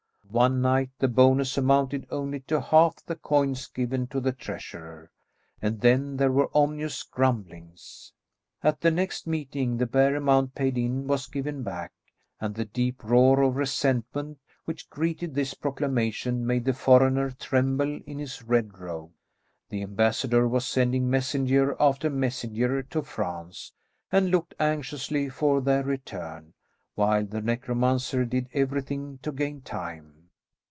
One night the bonus amounted only to half the coins given to the treasurer, and then there were ominous grumblings. At the next meeting the bare amount paid in was given back, and the deep roar of resentment which greeted this proclamation made the foreigner tremble in his red robe. The ambassador was sending messenger after messenger to France, and looked anxiously for their return, while the necromancer did everything to gain time.